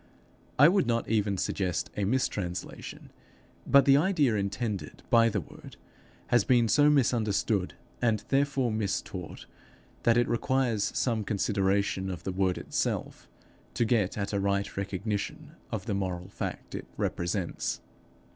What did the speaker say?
I would not even suggest a mistranslation; but the idea intended by the word has been so misunderstood and therefore mistaught, that it requires some consideration of the word itself to get at a right recognition of the moral fact it represents.